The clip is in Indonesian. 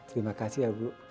terima kasih ya bu